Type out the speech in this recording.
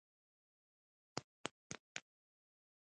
زړه د ارام روح ته لاره ده.